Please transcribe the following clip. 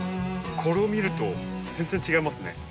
これを見ると全然違いますね。